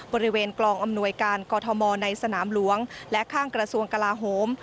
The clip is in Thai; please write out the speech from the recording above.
บริเวณกลองอำนวยการกอทมในสนามหลวงและข้างกระทรวงกลาโหม